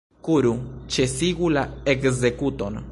Kuru, ĉesigu la ekzekuton!